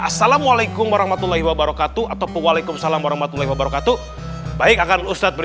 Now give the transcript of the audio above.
assalamualaikum warahmatu allah dewar deliberate sellamwalait prototyp created